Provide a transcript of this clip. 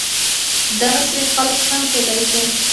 دغسې خلق هم کيدی شي